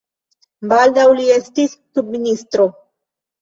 Baldaŭ li estis subministro.